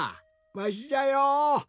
わしじゃよ。